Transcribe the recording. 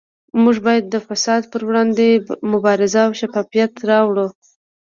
موږ باید د فساد پروړاندې مبارزه او شفافیت راوړو